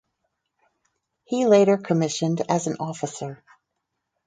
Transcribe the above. He later commissioned as an officer.